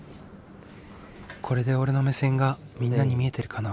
これで俺の目線がみんなに見えてるかな？